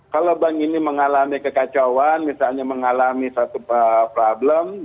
kalau bank ini mengalami kekacauan misalnya mengalami satu problem